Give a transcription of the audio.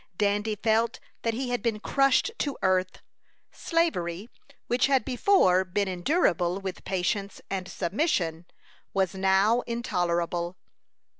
Dandy felt that he had been crushed to earth. Slavery, which had before been endurable with patience and submission, was now intolerable.